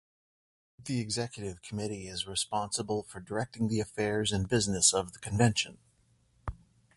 The executive committee is responsible for directing the affairs and business of the convention.